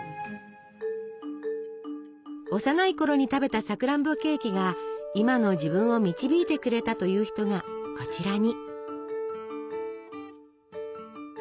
幼いころに食べたさくらんぼケーキが今の自分を導いてくれたという人がこちらに。